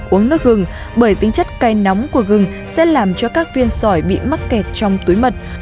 uống nước gừng bởi tính chất cay nóng của gừng sẽ làm cho các viên sỏi bị mắc kẹt trong túi mật